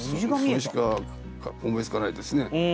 それしか思いつかないですね。